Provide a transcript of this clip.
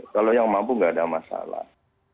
kalau yang mampu nggak ada masalah